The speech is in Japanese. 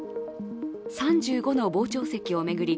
３５の傍聴席を巡り